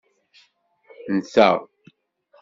Nteɣ.